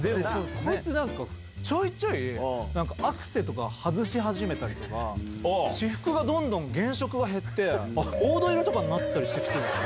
こいつ、ちょいちょい、なんかアクセとか外し始めたりとか、私服がどんどん原色が減って、黄土色とかになったりしてきてるんですよ。